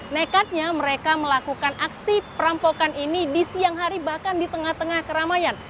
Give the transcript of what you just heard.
nekatnya mereka melakukan aksi perampokan ini di siang hari bahkan di tengah tengah keramaian